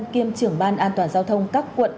kiêm trưởng ban an toàn giao thông các quận